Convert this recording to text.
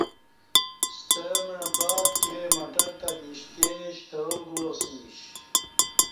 ستمع باتے مٹر تہ نیشی تہ شترال گواسیمش